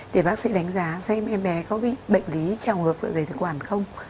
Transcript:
để bác sĩ đánh giá xem em bé có bị bệnh lý trào ngược vợ giấy thực quản không